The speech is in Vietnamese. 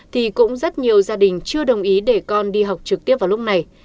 thì cũng rất nhiều gia đình chưa đồng ý để con đi học trực tiếp vào lúc này